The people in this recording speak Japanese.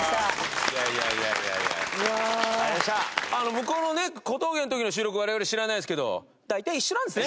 向こうのね小峠の時の収録我々知らないですけど大体一緒なんですね。